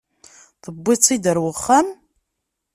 Tewwid-tt-id ɣer uxxam?